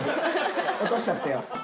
落としちゃってよ。